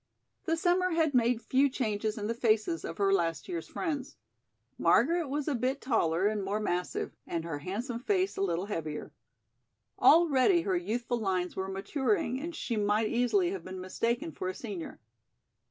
The summer had made few changes in the faces of her last year's friends. Margaret was a bit taller and more massive, and her handsome face a little heavier. Already her youthful lines were maturing and she might easily have been mistaken for a senior.